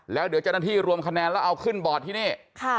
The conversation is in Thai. แล้วเดี๋ยวเจ้าหน้าที่รวมคะแนนแล้วเอาขึ้นบอร์ดที่นี่